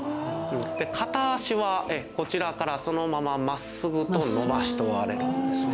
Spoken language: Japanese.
片足はこちらからそのまま真っすぐと伸ばしておられるんですね。